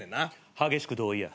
激しく同意や。